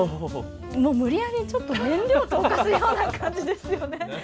もう無理やりちょっと燃料を投下するような感じですよね。